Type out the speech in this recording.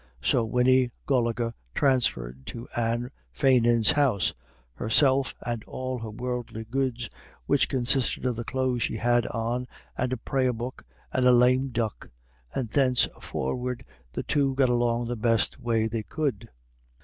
So Winnie Goligher transferred to Anne Fannin's house, herself and all her worldly goods, which consisted of the clothes she had on, and a prayer book, and a lame duck, and thenceforward the two "got along the best way they could."